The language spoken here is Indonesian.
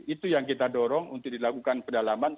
itu yang kita dorong untuk dilakukan pedalaman